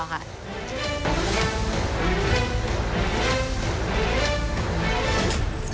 ดอกมากกาย